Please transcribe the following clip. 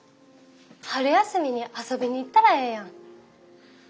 春休みに遊びに行ったらええやん。